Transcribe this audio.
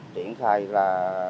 triển khai ra